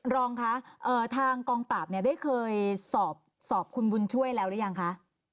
รองคะทางกองปราบเนี่ยได้เคยสอบคุณบุญช่วยแล้วหรือยังคะ